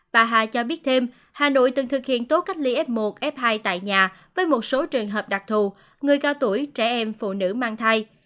bà hà cho biết thêm hà nội từng thực hiện tốt cách ly f một f hai tại nhà với một số trường hợp đặc thù người cao tuổi trẻ em phụ nữ mang thai